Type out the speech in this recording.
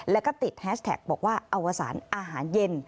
แล้วก็ติดแฮชแท็กบอกว่าอวสารอาหารเย็น